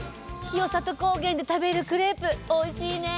清里高原で食べるクレープおいしいね！